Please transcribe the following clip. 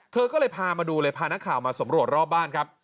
เธอก็เลยพามาดูเลยพานักข่าวมาสำรวจรอบบ้านครับ